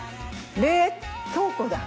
冷凍庫だ。